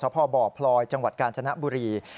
พบพลอยจังหวัดกาญจนบุรี